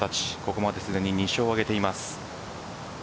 ここまですでに２勝を挙げています。